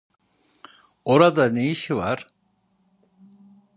Orada ne işi var?